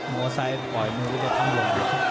โมไซต์ปล่อยมือก็จะทำหล่น